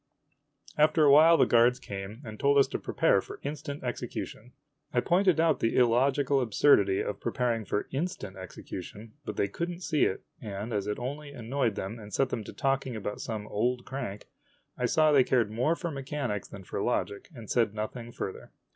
After a while the guards came and told us to prepare for in stant execution. I pointed out the illogical absurdity of " pre paring for instant execution," but they could n't see it, and, as it only annoyed them and set them to talking about some "old crank," I saw they cared more for mechanics than for logic, and said nothing further.